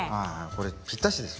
これぴったしですね。